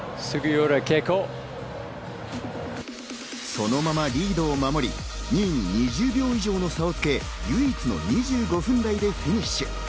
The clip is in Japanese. そのままリードを守り、２位に２０秒以上の差をつけ、唯一の２５分台でフィニッシュ。